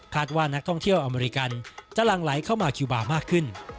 ว่านักท่องเที่ยวอเมริกันจะหลั่งไหลเข้ามาคิวบาร์มากขึ้น